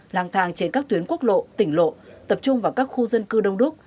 lang thang trên các tuyến quốc lộ tỉnh lộ tập trung vào các khu dân cư đông đúc